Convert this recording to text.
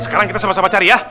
sekarang kita sama sama cari ya